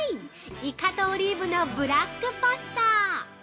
イカとオリーブのブラックパスタ。